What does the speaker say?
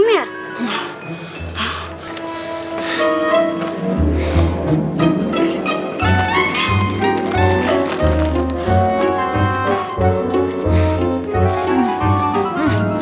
gak ada apa apa